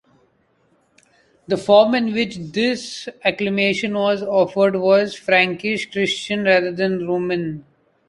The form in which this acclamation was offered was Frankish-Christian rather than Roman.